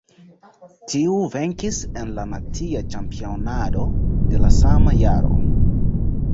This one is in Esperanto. Tiu venkis en la nacia ĉampionado de la sama jaro.